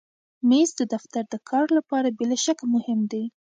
مېز د دفتر د کار لپاره بې له شکه مهم دی.